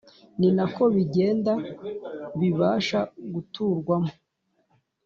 ni na ko bigenda bibasha guturwamo